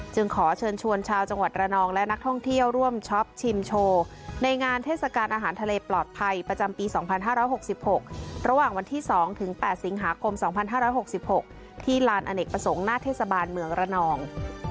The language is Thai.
ขอเชิญชวนชาวจังหวัดระนองและนักท่องเที่ยวร่วมช็อปชิมโชว์ในงานเทศกาลอาหารทะเลปลอดภัยประจำปี๒๕๖๖ระหว่างวันที่๒ถึง๘สิงหาคม๒๕๖๖ที่ลานอเนกประสงค์หน้าเทศบาลเมืองระนอง